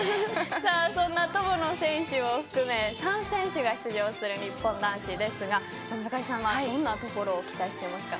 そんな友野選手を含め３選手が出場する日本男子ですが村上さんはどんなところを期待していますか？